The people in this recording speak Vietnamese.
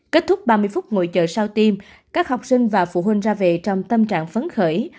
kết thúc ba mươi phút ngồi chờ sau tiêm các học sinh và phụ huynh ra về trong tâm trạng phấn khởi